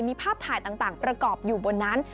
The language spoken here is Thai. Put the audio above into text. มีภาพถ่ายต่างประกอบอยู่บนนั้น